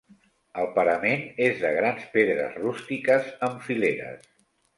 El parament és de grans pedres rústiques amb fileres.